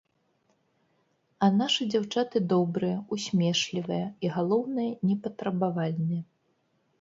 А нашы дзяўчаты добрыя, усмешлівыя і, галоўнае, непатрабавальныя.